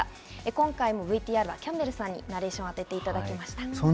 今回もＶＴＲはキャンベルさんにナレーションをあてていただきました。